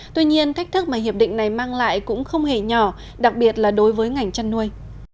tuy nhiên thách thức mà hiệp định này mang lại cũng không hề nhỏ đặc biệt là đối với ngành chăn nuôi